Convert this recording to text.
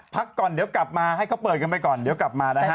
พักก่อนเดี๋ยวกลับมาให้เขาเปิดกันไปก่อนเดี๋ยวกลับมานะฮะ